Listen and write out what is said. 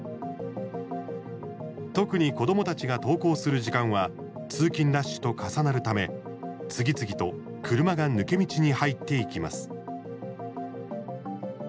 特に子どもたちが登校する時間は通勤ラッシュと重なるため次々と車が抜け道に入っていきます。